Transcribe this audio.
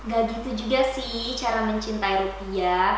gak gitu juga sih cara mencintai rupiah